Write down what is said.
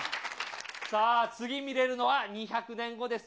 さあ、次見れるのは２００年後です。